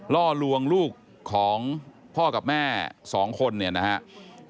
ล่อลวงลูกของพ่อกับแม่๒คนเนี่ยนะครับ